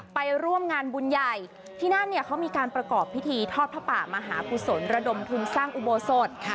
ไปร่วมงานบุญใหญ่ที่นั่นเนี่ยเขามีการประกอบพิธีทอดพระป่ามหากุศลระดมทุนสร้างอุโบสถ